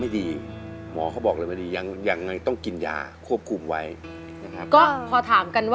กินอะไรอยู่นะตอนนี้ไม่ได้กิน